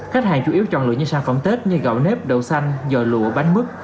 khách hàng chủ yếu chọn lựa như sản phẩm tết như gạo nếp đậu xanh giò lụa bánh mức